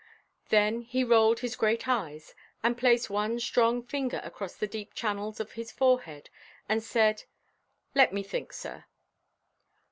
Then he rolled his great eyes, and placed one strong finger across the deep channels of his forehead, and said, "Let me think, sir!"